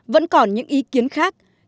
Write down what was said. vẫn còn những ý kiến khác